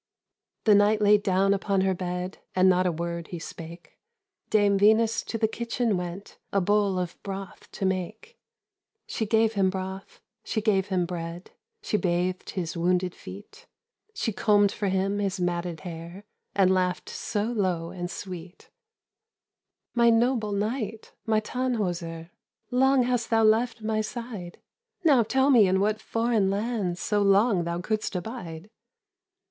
The knight lay down upon her bed, And not a word he spake; Dame Venus to the kitchen went A bowl of broth to make. She gave him broth, she gave him bread, She bathed his wounded feet; She combed for him his matted hair, And laughed so low and sweet: "My noble knight, my Tannhäuser, Long hast thou left my side. Now tell me in what foreign lands So long thou couldst abide."